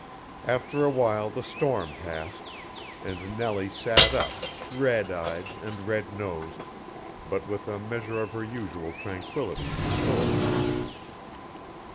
After a while the storm passed, and Nellie sat up, red eyed and red nosed, but with a measure of her usual tranquillity restored.